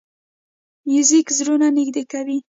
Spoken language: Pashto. موزیک زړونه نږدې کوي.